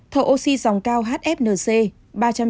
thợ ocd dòng cao hfnc ba trăm chín mươi năm ca